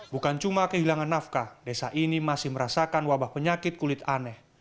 bukan cuma kehilangan nafkah desa ini masih merasakan wabah penyakit kulit aneh